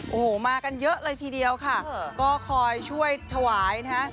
โอ้โหมากันเยอะเลยทีเดียวค่ะก็คอยช่วยถวายนะฮะ